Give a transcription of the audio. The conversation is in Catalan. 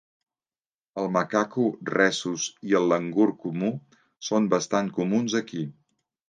El macaco rhesus i el langur comú són bastant comuns aquí.